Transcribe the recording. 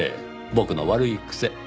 僕の悪い癖。